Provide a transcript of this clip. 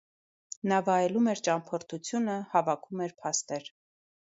Նա «վայելում էր ճամփորդությունը, հավաքում էր փաստեր»։